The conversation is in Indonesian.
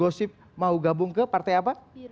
gosip mau gabung ke partai apa